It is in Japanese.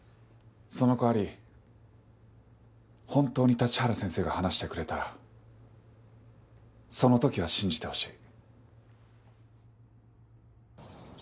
その代わり本当に立原先生が話してくれたらその時は信じてほしい。